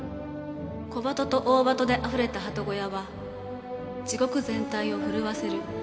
「小鳩と大鳩で溢れた鳩小屋は地獄全体を震わせる」